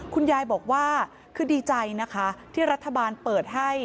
คุณยายบอกว่าคือดีใจนะคะที่รัฐบาลเปิดให้